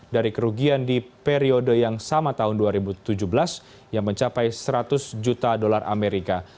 dari kerugian di periode yang sama tahun dua ribu tujuh belas yang mencapai seratus juta dolar amerika